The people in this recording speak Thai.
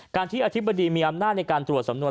การที่อธิบดีมีอำนาจในการตรวจสำนวน